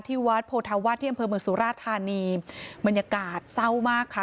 วัดโพธาวาสที่อำเภอเมืองสุราธานีบรรยากาศเศร้ามากค่ะ